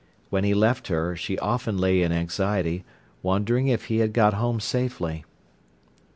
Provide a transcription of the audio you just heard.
When he left her, she often lay in anxiety, wondering if he had got home safely.